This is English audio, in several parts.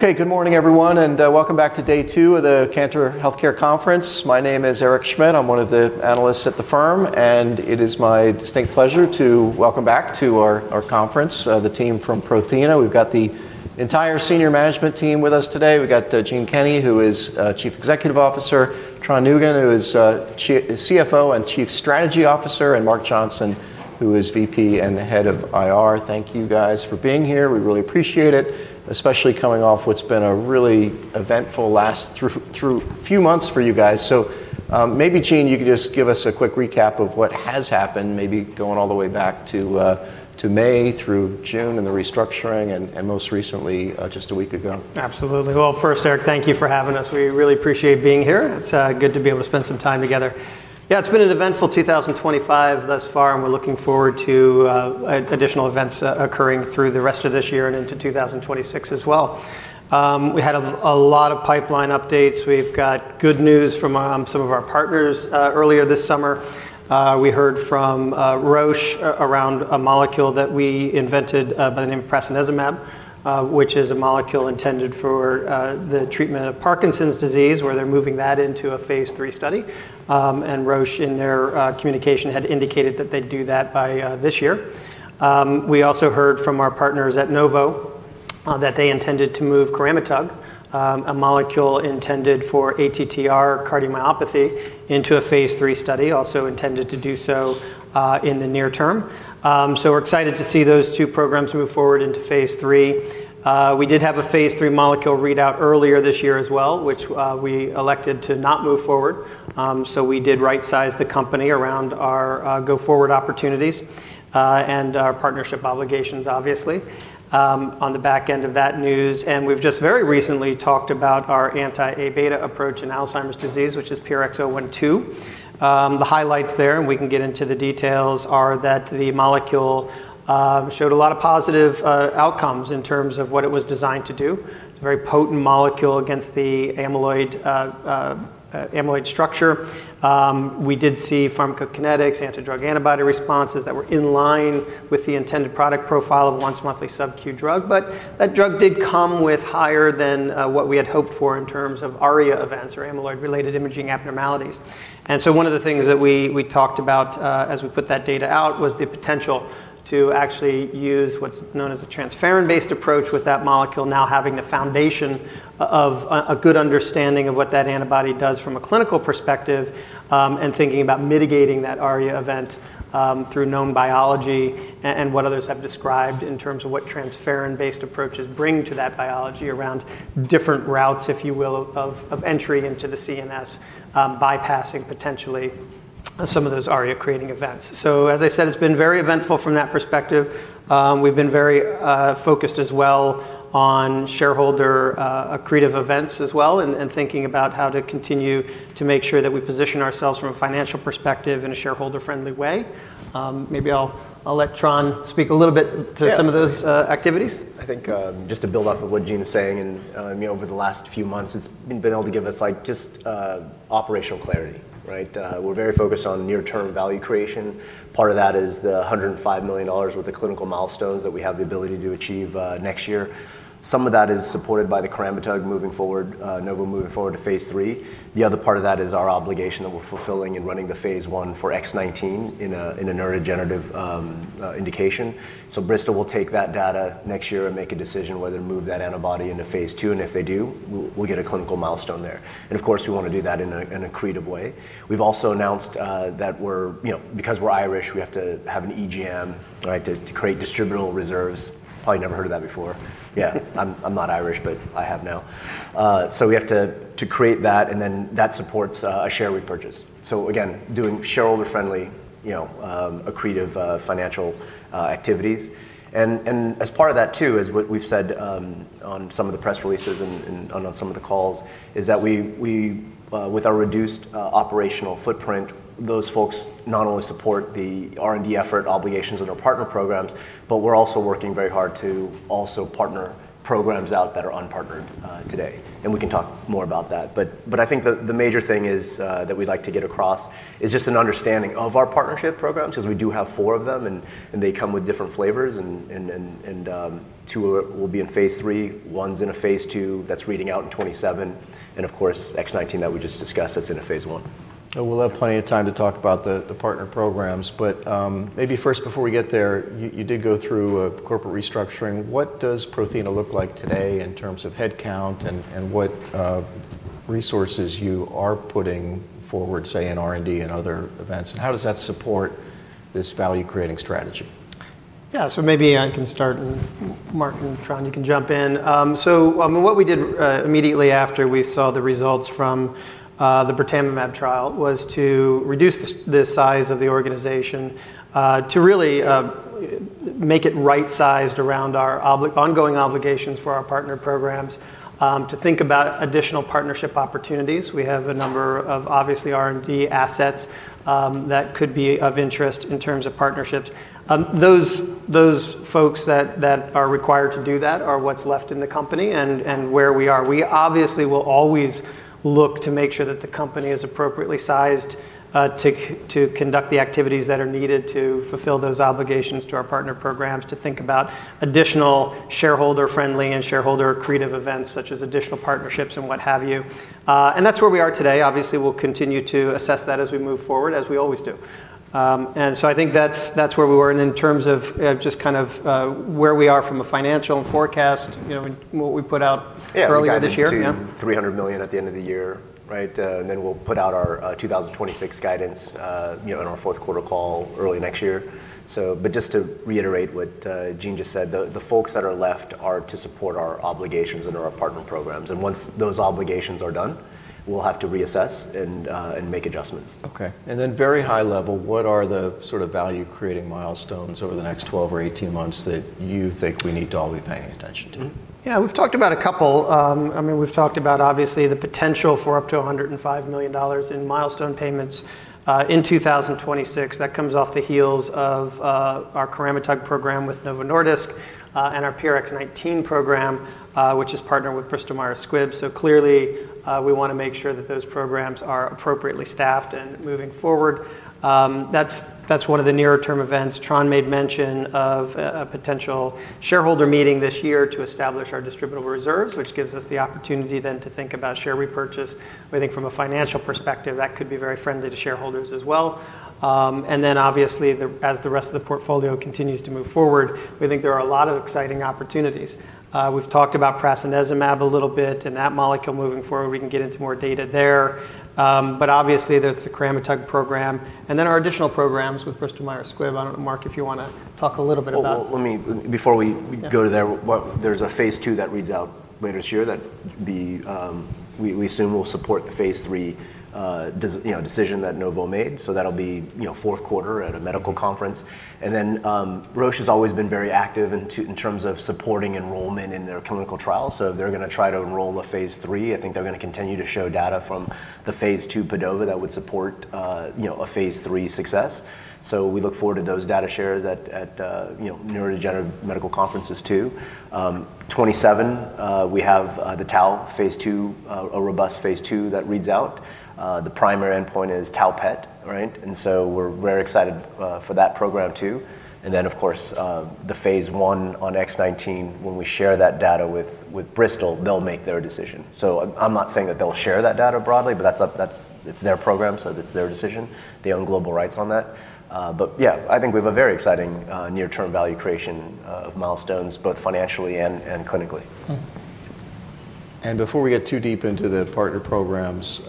Okay, good morning, everyone, and welcome back to day two of the Cantor Healthcare Conference. My name is Eric Schmidt. I'm one of the analysts at the firm, and it is my distinct pleasure to welcome back to our conference the team from Prothena. We've got the entire senior management team with us today. We've got Gene Kinney, who is Chief Executive Officer, Tran Nguyen, who is CFO and Chief Strategy Officer, and Mark Johnson, who is VP and the head of IR. Thank you guys for being here. We really appreciate it, especially coming off what's been a really eventful last few months for you guys. Maybe, Gene, you could just give us a quick recap of what has happened, maybe going all the way back to May through June and the restructuring and most recently, just a week ago. Absolutely. First, Eric, thank you for having us. We really appreciate being here. It's good to be able to spend some time together. Yeah, it's been an eventful 2025 thus far, and we're looking forward to additional events occurring through the rest of this year and into 2026 as well. We had a lot of pipeline updates. We've got good news from some of our partners. Earlier this summer, we heard from Roche around a molecule that we invented by the name prasinezumab, which is a molecule intended for the treatment of Parkinson's disease, where they're moving that into a phase 3 study, and Roche in their communication had indicated that they'd do that by this year. We also heard from our partners at Novo that they intended to move coramitug, a molecule intended for ATTR cardiomyopathy, into a phase 3 study, also intended to do so, in the near term, so we're excited to see those two programs move forward into phase 3. We did have a phase 3 molecule readout earlier this year as well, which we elected to not move forward, so we did rightsize the company around our go-forward opportunities and our partnership obligations, obviously, on the back end of that news, and we've just very recently talked about our anti-Abeta approach in Alzheimer's disease, which is PRX012. The highlights there, and we can get into the details, are that the molecule showed a lot of positive outcomes in terms of what it was designed to do. It's a very potent molecule against the amyloid, amyloid structure. We did see pharmacokinetics, anti-drug antibody responses that were in line with the intended product profile of once-monthly subQ drug, but that drug did come with higher than, what we had hoped for in terms of ARIA events, or amyloid-related imaging abnormalities. One of the things that we talked about as we put that data out was the potential to actually use what's known as a transferrin-based approach with that molecule, now having the foundation of a good understanding of what that antibody does from a clinical perspective, and thinking about mitigating that ARIA event through known biology and what others have described in terms of what transferrin-based approaches bring to that biology around different routes, if you will, of entry into the CNS, bypassing potentially some of those ARIA-creating events. As I said, it's been very eventful from that perspective. We've been very focused as well on shareholder accretive events as well, and thinking about how to continue to make sure that we position ourselves from a financial perspective in a shareholder-friendly way. Maybe I'll let Tran speak a little bit- Yeah... to some of those activities. I think, just to build off of what Gene is saying, and, you know, over the last few months, it's been able to give us, like, just, operational clarity, right? We're very focused on near-term value creation. Part of that is the $105 million worth of clinical milestones that we have the ability to achieve next year. Some of that is supported by the coramitug moving forward, Novo moving forward to phase 3. The other part of that is our obligation that we're fulfilling in running the phase 1 for X19 in a neurodegenerative indication. So Bristol will take that data next year and make a decision whether to move that antibody into phase 2, and if they do, we'll get a clinical milestone there. And, of course, we want to do that in an accretive way. We've also announced that we're. You know, because we're Irish, we have to have an EGM, right, to create distributable reserves. Probably never heard of that before. Yeah, I'm not Irish, but I have now. So we have to create that, and then that supports a share repurchase, so again, doing shareholder-friendly, you know, accretive financial activities. And as part of that, too, as we've said on some of the press releases and on some of the calls, is that we, with our reduced operational footprint, those folks not only support the R&D effort obligations with our partner programs, but we're also working very hard to also partner programs out that are unpartnered today. We can talk more about that, but I think the major thing is that we'd like to get across is just an understanding of our partnership programs, 'cause we do have four of them, and they come with different flavors, and two will be in phase 3. One's in a phase 2 that's reading out in 2027, and of course, X19 that we just discussed, that's in a phase 1. We'll have plenty of time to talk about the partner programs, but maybe first, before we get there, you did go through a corporate restructuring. What does Prothena look like today in terms of head count, and what resources you are putting forward, say, in R&D and other events, and how does that support this value-creating strategy?... Yeah, so maybe I can start, and Mark and Tran, you can jump in. So, what we did immediately after we saw the results from the birtamimab trial was to reduce the size of the organization, to really make it right-sized around our ongoing obligations for our partner programs, to think about additional partnership opportunities. We have a number of, obviously, R&D assets, that could be of interest in terms of partnerships. Those folks that are required to do that are what's left in the company, and where we are. We obviously will always look to make sure that the company is appropriately sized to conduct the activities that are needed to fulfill those obligations to our partner programs, to think about additional shareholder-friendly and shareholder-accretive events, such as additional partnerships and what have you, and that's where we are today. Obviously, we'll continue to assess that as we move forward, as we always do, and so I think that's where we were, and in terms of just kind of where we are from a financial forecast, you know, what we put out- Yeah - earlier this year. Yeah? $300 million at the end of the year, right? And then we'll put out our 2026 guidance, you know, in our fourth quarter call early next year. So but just to reiterate what Gene just said, the folks that are left are to support our obligations under our partner programs, and once those obligations are done, we'll have to reassess and make adjustments. Okay, and then very high level, what are the sort of value-creating milestones over the next twelve or eighteen months that you think we need to all be paying attention to? Mm-hmm. Yeah, we've talked about a couple. I mean, we've talked about, obviously, the potential for up to $105 million in milestone payments in 2026. That comes off the heels of our coramitug program with Novo Nordisk and our PRX019 program, which is partnered with Bristol Myers Squibb. So clearly, we wanna make sure that those programs are appropriately staffed and moving forward. That's one of the nearer-term events. Tran made mention of a potential shareholder meeting this year to establish our distributable reserves, which gives us the opportunity then to think about share repurchase. We think from a financial perspective, that could be very friendly to shareholders as well. And then obviously, as the rest of the portfolio continues to move forward, we think there are a lot of exciting opportunities. We've talked about prasinezumab a little bit, and that molecule moving forward, we can get into more data there, but obviously, there's the coramitug program, and then our additional programs with Bristol Myers Squibb. I don't know, Mark, if you wanna talk a little bit about that? Let me... Before we- Yeah... go to there, well, there's a phase II that reads out later this year that the, we assume will support the phase III, you know, decision that Novo made. So that'll be, you know, fourth quarter at a medical conference. And then, Roche has always been very active in in terms of supporting enrollment in their clinical trials, so they're gonna try to enroll a phase III. I think they're gonna continue to show data from the phase II PADOVA that would support, you know, a phase III success. So we look forward to those data shares at, you know, neurodegenerative medical conferences, too. 27, we have the tau phase II, a robust phase II that reads out. The primary endpoint is tau PET, right? And so we're very excited, for that program, too. And then, of course, the phase I on X19, when we share that data with Bristol, they'll make their decision. So I'm not saying that they'll share that data broadly, but that's... It's their program, so that's their decision. They own global rights on that. But yeah, I think we have a very exciting near-term value creation milestones, both financially and clinically. Mm-hmm. And before we get too deep into the partner programs,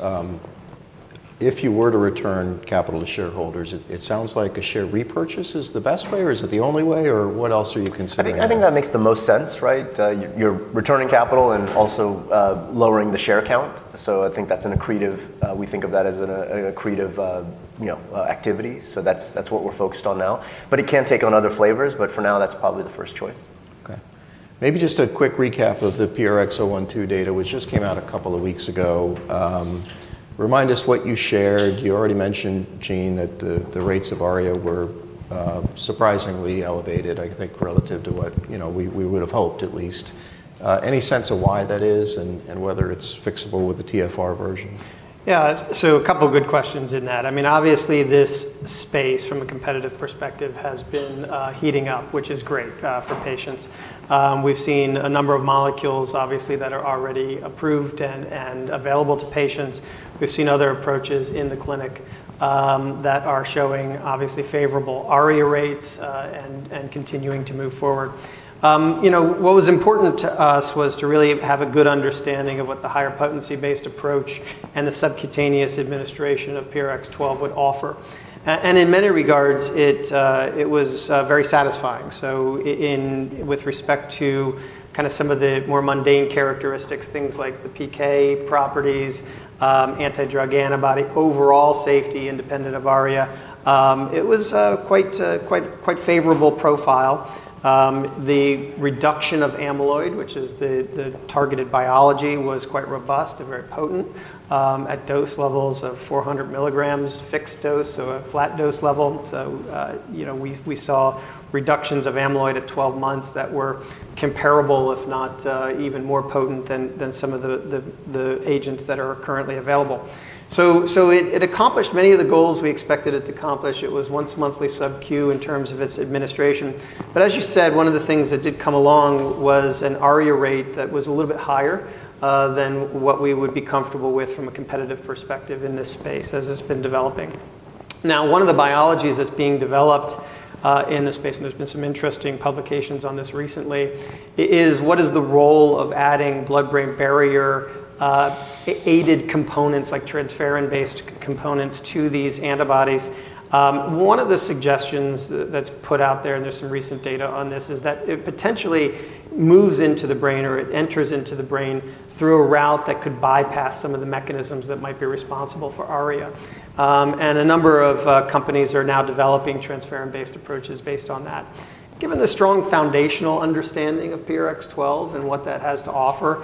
if you were to return capital to shareholders, it sounds like a share repurchase is the best way, or is it the only way, or what else are you considering? I think that makes the most sense, right? You're returning capital and also lowering the share count, so I think that's an accretive, we think of that as an accretive, you know, activity. So that's, that's what we're focused on now. But it can take on other flavors, but for now, that's probably the first choice. Okay. Maybe just a quick recap of the PRX012 data, which just came out a couple of weeks ago. Remind us what you shared. You already mentioned, Gene, that the rates of ARIA were surprisingly elevated, I think, relative to what, you know, we would have hoped, at least. Any sense of why that is and whether it's fixable with the TFR version? Yeah, so a couple of good questions in that. I mean, obviously, this space, from a competitive perspective, has been heating up, which is great for patients. We've seen a number of molecules, obviously, that are already approved and available to patients. We've seen other approaches in the clinic that are showing, obviously, favorable ARIA rates and continuing to move forward. You know, what was important to us was to really have a good understanding of what the higher potency-based approach and the subcutaneous administration of PRX012 would offer, and in many regards, it was very satisfying. So with respect to kind of some of the more mundane characteristics, things like the PK properties, anti-drug antibody, overall safety, independent of ARIA, it was quite favorable profile. The reduction of amyloid, which is the targeted biology, was quite robust and very potent at dose levels of 400 milligrams fixed dose, so a flat dose level. So you know, we saw reductions of amyloid at 12 months that were comparable, if not even more potent than some of the agents that are currently available. So it accomplished many of the goals we expected it to accomplish. It was once-monthly subQ in terms of its administration. But as you said, one of the things that did come along was an ARIA rate that was a little bit higher than what we would be comfortable with from a competitive perspective in this space, as it's been developing. Now, one of the biologics that's being developed in this space, and there's been some interesting publications on this recently, is what is the role of adding blood-brain barrier aided components, like transferrin-based components, to these antibodies? One of the suggestions that's put out there, and there's some recent data on this, is that it potentially moves into the brain, or it enters into the brain through a route that could bypass some of the mechanisms that might be responsible for ARIA. A number of companies are now developing transferrin-based approaches based on that. Given the strong foundational understanding of PRX012 and what that has to offer,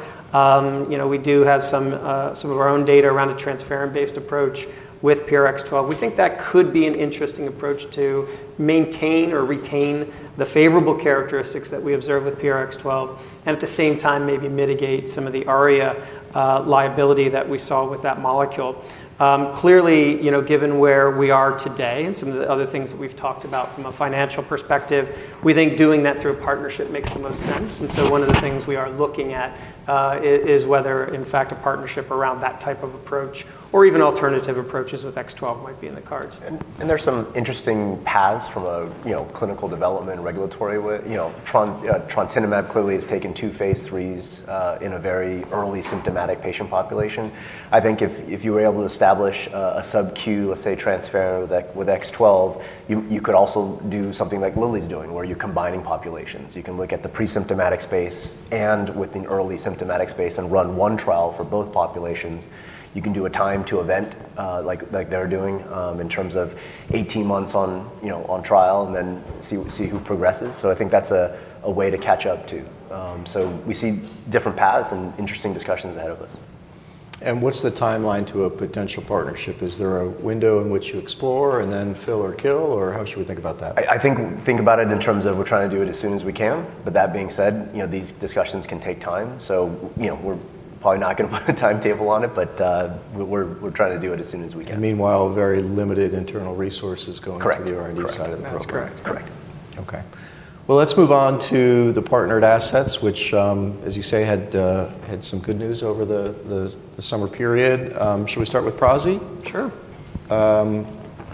you know, we do have some of our own data around a transferrin-based approach with PRX012. We think that could be an interesting approach to maintain or retain the favorable characteristics that we observe with PRX012, and at the same time, maybe mitigate some of the ARIA liability that we saw with that molecule. Clearly, you know, given where we are today, and some of the other things that we've talked about from a financial perspective, we think doing that through a partnership makes the most sense. And so one of the things we are looking at is whether, in fact, a partnership around that type of approach or even alternative approaches with X12 might be in the cards. There's some interesting paths from a you know clinical development and regulatory way. You know, trontinemab clearly has taken two phase threes in a very early symptomatic patient population. I think if you were able to establish a subQ, let's say, transferrin with X12, you could also do something like Lilly's doing, where you're combining populations. You can look at the pre-symptomatic space and within early symptomatic space and run one trial for both populations. You can do a time-to-event like they're doing in terms of 18 months on trial and then see who progresses. So I think that's a way to catch up, too. So we see different paths and interesting discussions ahead of us. What's the timeline to a potential partnership? Is there a window in which you explore and then fill or kill, or how should we think about that? I think about it in terms of we're trying to do it as soon as we can, but that being said, you know, these discussions can take time. So, you know, we're probably not gonna put a timetable on it, but we're trying to do it as soon as we can. Meanwhile, very limited internal resources going- Correct... to the R&D side of the program. That's correct. Correct. Okay. Well, let's move on to the partnered assets, which, as you say, had some good news over the summer period. Shall we start with prasinezumab? Sure.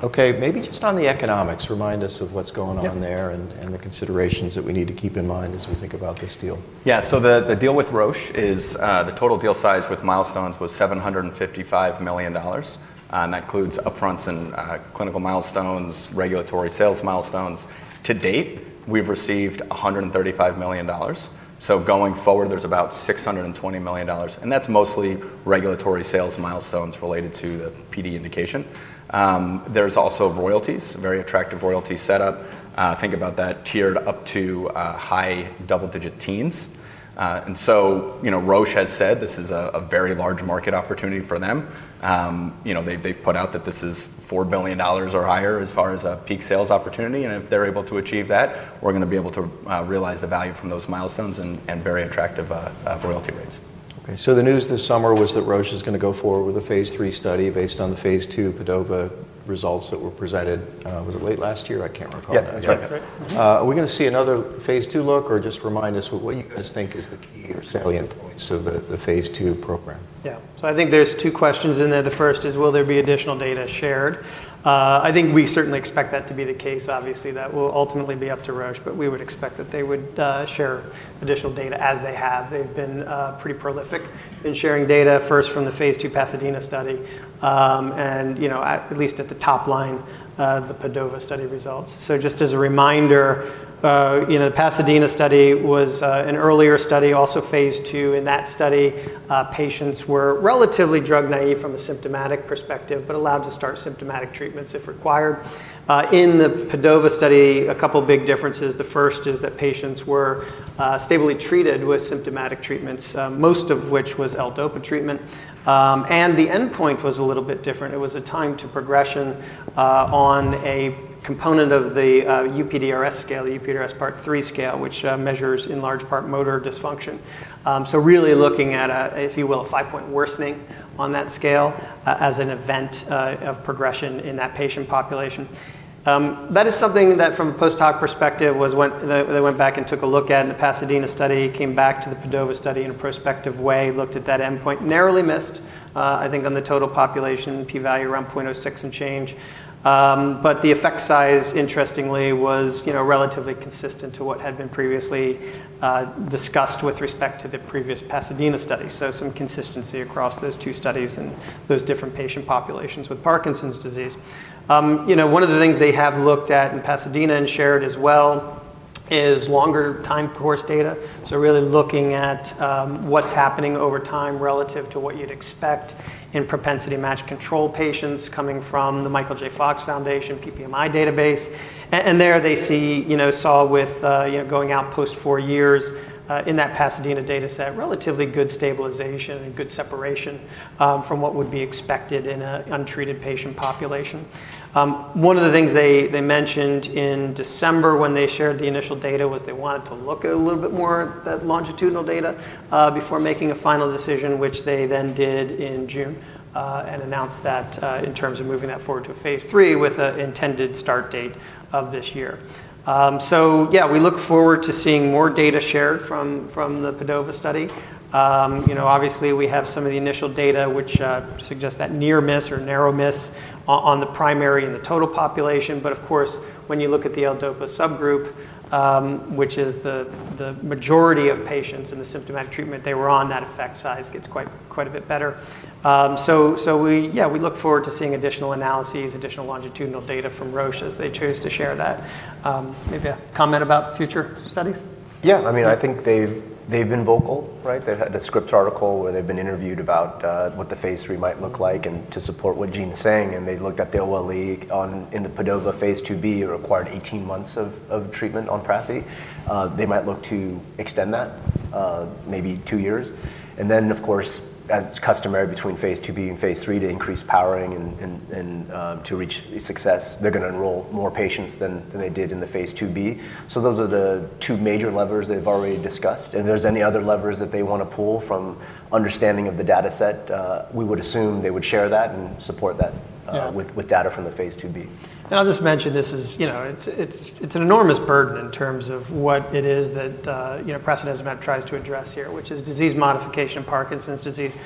Okay, maybe just on the economics, remind us of what's going on there? Yeah... and the considerations that we need to keep in mind as we think about this deal. Yeah, so the deal with Roche is, the total deal size with milestones was $755 million, and that includes upfronts and clinical milestones, regulatory sales milestones. To date, we've received $135 million, so going forward, there's about $620 million, and that's mostly regulatory sales milestones related to the PD indication. There's also royalties, a very attractive royalty setup. Think about that tiered up to high double-digit teens. And so, you know, Roche has said this is a very large market opportunity for them. You know, they've put out that this is $4 billion or higher as far as a peak sales opportunity, and if they're able to achieve that, we're gonna be able to realize the value from those milestones and very attractive royalty rates. Okay, so the news this summer was that Roche is gonna go forward with a phase 3 study based on the phase 2 Padova results that were presented, was it late last year? I can't recall. Yeah, that's right. That's right. Mm-hmm. Are we gonna see another phase 2 look, or just remind us what you guys think is the key or salient points of the phase 2 program? Yeah. So I think there's two questions in there. The first is, will there be additional data shared? I think we certainly expect that to be the case. Obviously, that will ultimately be up to Roche, but we would expect that they would share additional data as they have. They've been pretty prolific in sharing data, first from the phase 2 Pasadena study, and, you know, at least at the top line, the Padova study results. So just as a reminder, you know, the Pasadena study was an earlier study, also phase 2. In that study, patients were relatively drug naive from a symptomatic perspective, but allowed to start symptomatic treatments if required. In the Padova study, a couple of big differences. The first is that patients were stably treated with symptomatic treatments, most of which was L-DOPA treatment. And the endpoint was a little bit different. It was a time to progression on a component of the UPDRS scale, the UPDRS Part 3 scale, which measures in large part motor dysfunction. So really looking at a, if you will, a five-point worsening on that scale as an event of progression in that patient population. That is something that, from a post-hoc perspective, was when they went back and took a look at in the Pasadena study, came back to the Padova study in a prospective way, looked at that endpoint. Narrowly missed, I think on the total population, p-value around 0.06 and change. But the effect size, interestingly, was, you know, relatively consistent to what had been previously, discussed with respect to the previous Pasadena study, so some consistency across those two studies and those different patient populations with Parkinson's disease. You know, one of the things they have looked at in Pasadena and shared as well is longer time course data, so really looking at, what's happening over time relative to what you'd expect in propensity-matched control patients coming from the Michael J. Fox Foundation, PPMI database. And there they saw, you know, going out post four years, in that Pasadena dataset, relatively good stabilization and good separation, from what would be expected in an untreated patient population. One of the things they mentioned in December when they shared the initial data was they wanted to look a little bit more at that longitudinal data before making a final decision, which they then did in June and announced that in terms of moving that forward to a phase 3 with an intended start date of this year. So yeah, we look forward to seeing more data shared from the Padova study. You know, obviously, we have some of the initial data, which suggests that near miss or narrow miss on the primary and the total population, but of course, when you look at the L-DOPA subgroup, which is the majority of patients in the symptomatic treatment they were on, that effect size gets quite a bit better. We look forward to seeing additional analyses, additional longitudinal data from Roche as they choose to share that. Maybe a comment about future studies? Yeah, I mean. Yeah... I think they've been vocal, right? They've had a Scrip article where they've been interviewed about what the phase 3 might look like, and to support what Gene's saying, and they've looked at the OLE on, in the PADOVA phase 2b, it required 18 months of treatment on prasinezumab. They might look to extend that, maybe two years. And then, of course, as is customary between phase 2b and phase 3, to increase powering and to reach success, they're gonna enroll more patients than they did in the phase 2b. So those are the two major levers they've already discussed. And if there's any other levers that they wanna pull from understanding of the data set, we would assume they would share that and support that- Yeah... with data from the phase 2b. And I'll just mention, this is, you know, it's an enormous burden in terms of what it is that, you know, prasinezumab tries to address here, which is disease modification in Parkinson's disease.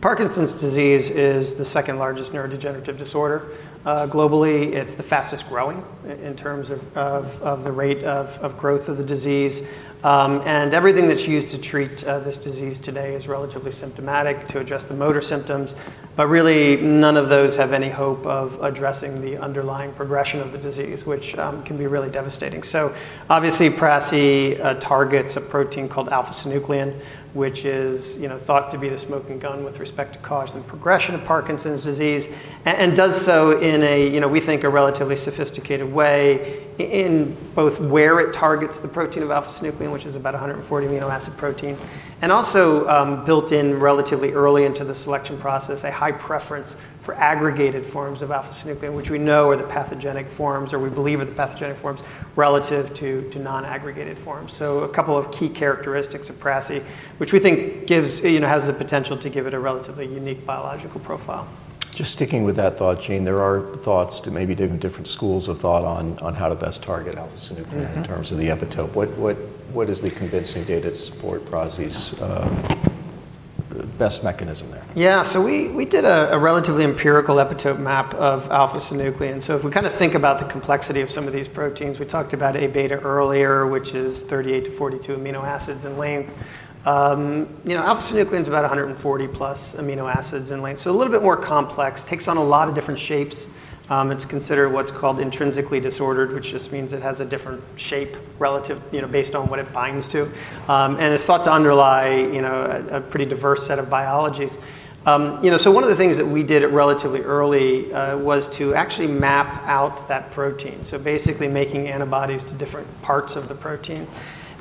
Parkinson's disease is the second-largest neurodegenerative disorder. Globally, it's the fastest-growing in terms of the rate of growth of the disease. And everything that's used to treat this disease today is relatively symptomatic, to address the motor symptoms, but really, none of those have any hope of addressing the underlying progression of the disease, which can be really devastating. So obviously, prasinezumab targets a protein called alpha-synuclein, which is, you know, thought to be the smoking gun with respect to cause and progression of Parkinson's disease, and does so in a, you know, we think, a relatively sophisticated way, in both where it targets the protein of alpha-synuclein, which is about 140 amino acid protein, and also, built in relatively early into the selection process, a high preference for aggregated forms of alpha-synuclein, which we know are the pathogenic forms, or we believe are the pathogenic forms, relative to non-aggregated forms. So a couple of key characteristics of prasinezumab, which we think gives... you know, has the potential to give it a relatively unique biological profile. Just sticking with that thought, Gene, there are thoughts to maybe different schools of thought on how to best target alpha-synuclein. Mm-hmm... in terms of the epitope. What is the convincing data to support prasinezumab's best mechanism there? Yeah, so we did a relatively empirical epitope map of alpha-synuclein. So if we kind of think about the complexity of some of these proteins, we talked about A beta earlier, which is 38-42 amino acids in length. You know, alpha-synuclein's about 140-plus amino acids in length, so a little bit more complex, takes on a lot of different shapes. It's considered what's called intrinsically disordered, which just means it has a different shape relative, you know, based on what it binds to. And it's thought to underlie, you know, a pretty diverse set of biologies. You know, so one of the things that we did relatively early was to actually map out that protein, so basically making antibodies to different parts of the protein.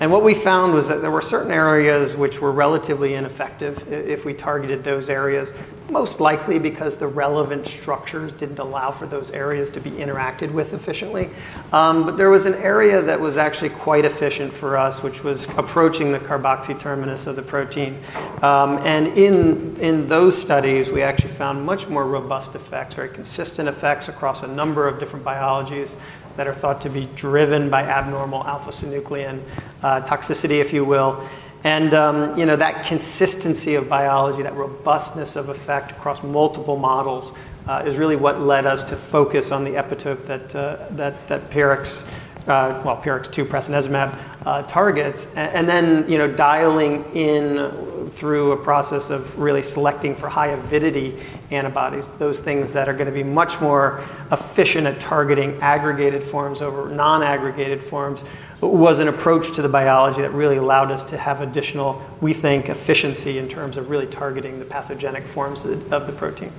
What we found was that there were certain areas which were relatively ineffective if we targeted those areas, most likely because the relevant structures didn't allow for those areas to be interacted with efficiently. But there was an area that was actually quite efficient for us, which was approaching the carboxy terminus of the protein. And in those studies, we actually found much more robust effects, very consistent effects across a number of different biologies that are thought to be driven by abnormal alpha-synuclein toxicity, if you will. And you know, that consistency of biology, that robustness of effect across multiple models, is really what led us to focus on the epitope that PRX002, prasinezumab, targets. And then, you know, dialing in through a process of really selecting for high avidity antibodies, those things that are gonna be much more efficient at targeting aggregated forms over non-aggregated forms, was an approach to the biology that really allowed us to have additional, we think, efficiency in terms of really targeting the pathogenic forms of the protein.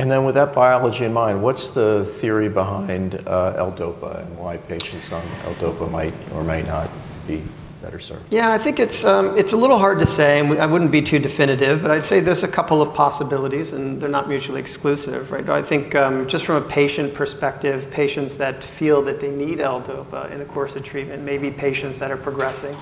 And then, with that biology in mind, what's the theory behind L-DOPA and why patients on L-DOPA might or might not be better served? Yeah, I think it's a little hard to say, and I wouldn't be too definitive, but I'd say there's a couple of possibilities, and they're not mutually exclusive, right? I think, just from a patient perspective, patients that feel that they need L-DOPA in the course of treatment may be patients that are progressing.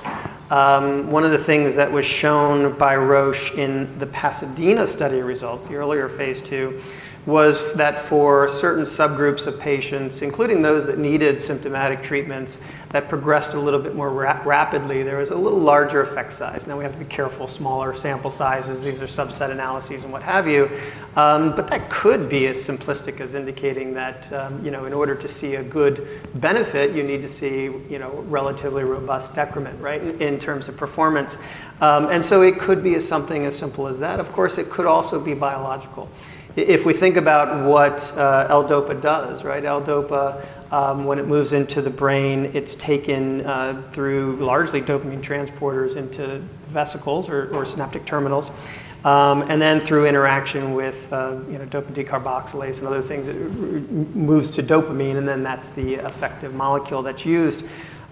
One of the things that was shown by Roche in the Pasadena study results, the earlier phase 2, was that for certain subgroups of patients, including those that needed symptomatic treatments, that progressed a little bit more rapidly, there was a little larger effect size. Now, we have to be careful. Smaller sample sizes, these are subset analyses and what have you. But that could be as simplistic as indicating that, you know, in order to see a good benefit, you need to see, you know, relatively robust decrement, right, in terms of performance. And so it could be as something as simple as that. Of course, it could also be biological. If we think about what L-DOPA does, right? L-DOPA, when it moves into the brain, it's taken through largely dopamine transporters into vesicles or synaptic terminals, and then through interaction with, you know, dopa decarboxylase and other things, it moves to dopamine, and then that's the effective molecule that's used.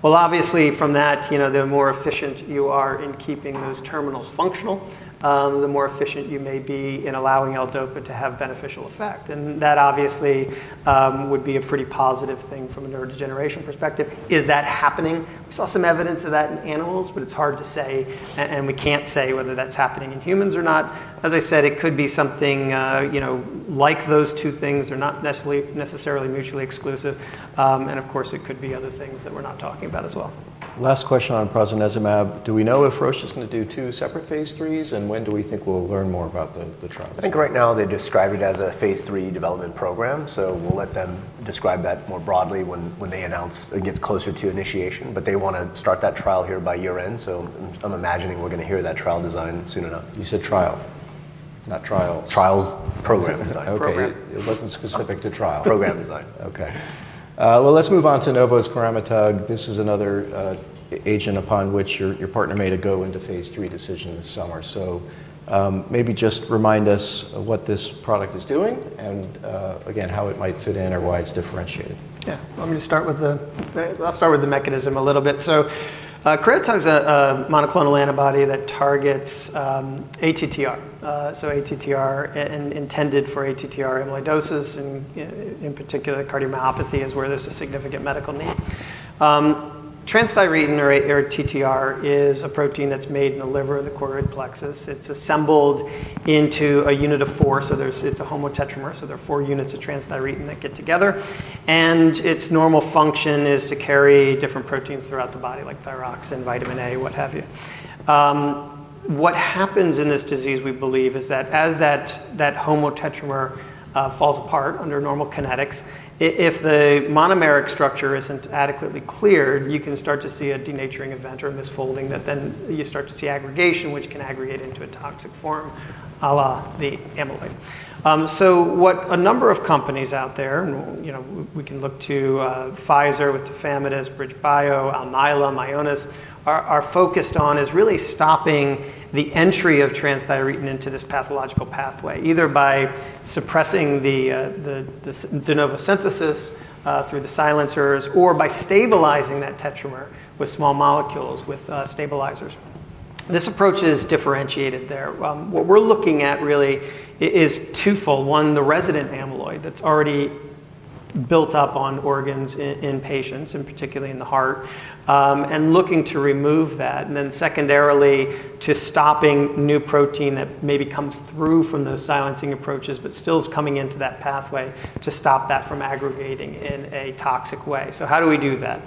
Obviously, from that, you know, the more efficient you are in keeping those terminals functional, the more efficient you may be in allowing L-DOPA to have beneficial effect, and that obviously, would be a pretty positive thing from a neurodegeneration perspective. Is that happening? We saw some evidence of that in animals, but it's hard to say, and we can't say whether that's happening in humans or not. As I said, it could be something, you know, like those two things. They're not necessarily mutually exclusive. And of course, it could be other things that we're not talking about as well. Last question on prasinezumab. Do we know if Roche is gonna do two separate phase 3s, and when do we think we'll learn more about the trials? I think right now they describe it as a phase 3 development program, so we'll let them describe that more broadly when they announce... they get closer to initiation. But they wanna start that trial here by year-end, so I'm imagining we're gonna hear that trial design soon enough. You said, "Trial?"... Not trials. Trials, program design. Okay. Program. It wasn't specific to trial. Program design. Okay. Well, let's move on to Novo's coramitug. This is another agent upon which your partner made a go into phase III decision this summer. So, maybe just remind us what this product is doing, and again, how it might fit in or why it's differentiated. Yeah. Well, I'm going to start with the mechanism a little bit. So, coramitug's a monoclonal antibody that targets ATTR. So ATTR and intended for ATTR amyloidosis, and in particular, cardiomyopathy is where there's a significant medical need. Transthyretin, or TTR, is a protein that's made in the liver and the choroid plexus. It's assembled into a unit of four, so it's a homotetramer, so there are four units of transthyretin that get together, and its normal function is to carry different proteins throughout the body, like thyroxine, vitamin A, what have you. What happens in this disease, we believe, is that as that homotetramer falls apart under normal kinetics, if the monomeric structure isn't adequately cleared, you can start to see a denaturing event or misfolding that then you start to see aggregation, which can aggregate into a toxic form, à la the amyloid. So what a number of companies out there, and you know, we can look to, Pfizer with tafamidis, BridgeBio, Alnylam, Ionis, are focused on is really stopping the entry of transthyretin into this pathological pathway, either by suppressing the de novo synthesis through the silencers, or by stabilizing that tetramer with small molecules with stabilizers. This approach is differentiated there. What we're looking at really is twofold: one, the resident amyloid that's already built up on organs in patients, and particularly in the heart, and looking to remove that, and then secondarily, to stopping new protein that maybe comes through from those silencing approaches but still is coming into that pathway, to stop that from aggregating in a toxic way. So how do we do that?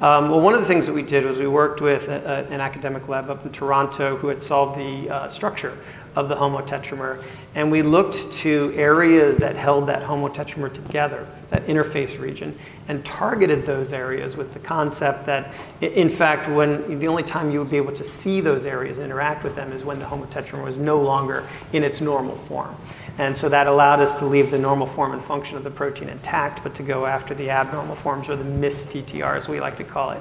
Well, one of the things that we did was we worked with an academic lab up in Toronto who had solved the structure of the homotetramer, and we looked to areas that held that homotetramer together, that interface region, and targeted those areas with the concept that in fact, when the only time you would be able to see those areas, interact with them, is when the homotetramer was no longer in its normal form. And so that allowed us to leave the normal form and function of the protein intact, but to go after the abnormal forms, or the misTTR, as we like to call it.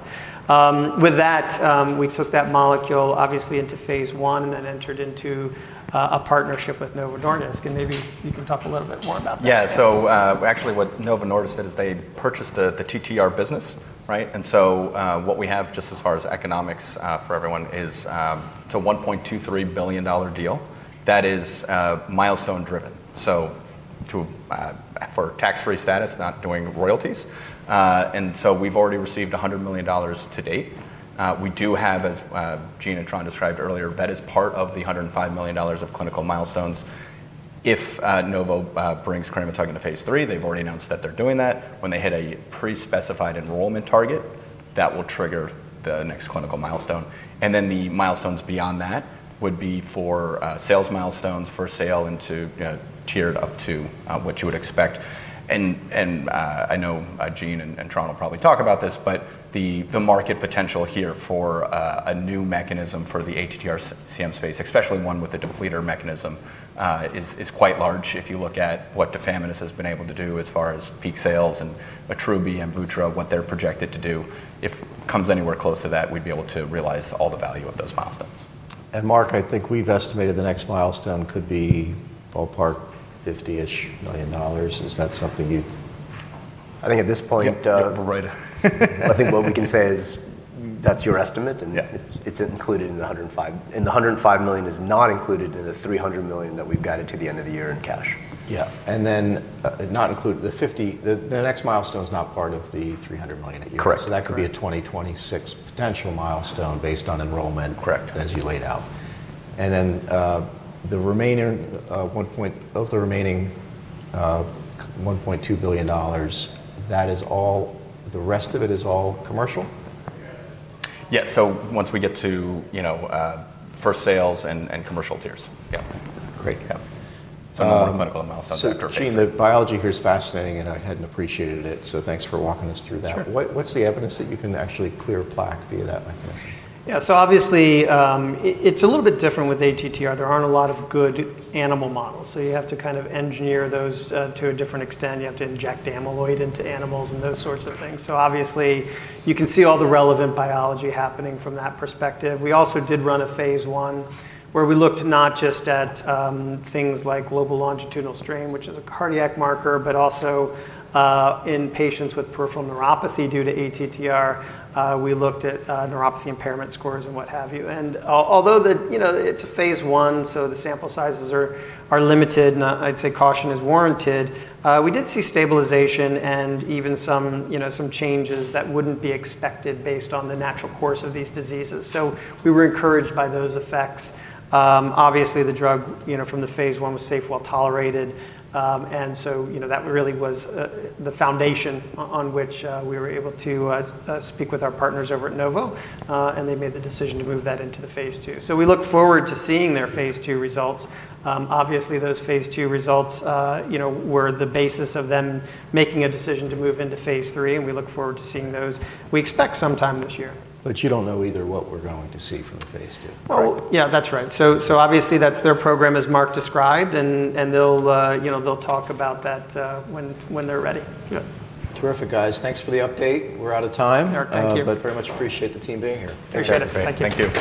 With that, we took that molecule obviously into phase I, and then entered into a partnership with Novo Nordisk, and maybe you can talk a little bit more about that. Yeah. So, actually, what Novo Nordisk did is they purchased the TTR business, right? And so, what we have, just as far as economics, for everyone, is, it's a $1.23 billion deal that is milestone driven, so to for tax-free status, not doing royalties. And so we've already received $100 million to date. We do have, as Gene and Tran described earlier, that is part of the $105 million of clinical milestones. If Novo brings coramitug into phase III, they've already announced that they're doing that, when they hit a pre-specified enrollment target, that will trigger the next clinical milestone. And then the milestones beyond that would be for sales milestones for sale into tiered up to what you would expect. I know Gene and Tran will probably talk about this, but the market potential here for a new mechanism for the ATTR-CM space, especially one with a depleter mechanism, is quite large. If you look at what tafamidis has been able to do as far as peak sales and Attruby and vutrisiran, what they're projected to do, if comes anywhere close to that, we'd be able to realize all the value of those milestones. Mark, I think we've estimated the next milestone could be ballpark $50-ish million. Is that something you...? I think at this point, Yep, right. I think what we can say is that's your estimate- Yeah... and it's included in the $105 million, and the $105 million is not included in the $300 million that we've guided to the end of the year in cash. Yeah. And then, not include the $50, the next milestone is not part of the $300 million a year. Correct. So that could be a 2026 potential milestone based on enrollment- Correct... as you laid out. And then, the remaining $1.2 billion, that is all... the rest of it is all commercial? Yeah. So once we get to, you know, first sales and commercial tiers. Yeah. Great. Yeah. So more medical milestones after- Gene, the biology here is fascinating, and I hadn't appreciated it, so thanks for walking us through that. Sure. What's the evidence that you can actually clear plaque via that mechanism? Yeah, so obviously, it's a little bit different with ATTR. There aren't a lot of good animal models, so you have to kind of engineer those to a different extent. You have to inject amyloid into animals and those sorts of things. So obviously, you can see all the relevant biology happening from that perspective. We also did run a phase I, where we looked not just at things like global longitudinal strain, which is a cardiac marker, but also in patients with peripheral neuropathy due to ATTR. We looked at neuropathy impairment scores and what have you. Although the, you know, it's a phase I, so the sample sizes are limited, and I'd say caution is warranted. We did see stabilization and even some, you know, some changes that wouldn't be expected based on the natural course of these diseases, so we were encouraged by those effects. Obviously, the drug, you know, from the phase I was safe, well-tolerated. And so, you know, that really was the foundation on which we were able to speak with our partners over at Novo, and they made the decision to move that into the phase II, so we look forward to seeing their phase II results. Obviously, those phase II results, you know, were the basis of them making a decision to move into phase III, and we look forward to seeing those. We expect sometime this year. But you don't know either what we're going to see from the phase II? Yeah, that's right. So, obviously, that's their program, as Mark described, and they'll, you know, they'll talk about that, when they're ready. Yeah. Terrific, guys. Thanks for the update. We're out of time. Eric, thank you. But very much appreciate the team being here. Appreciate it. Thank you. Thank you.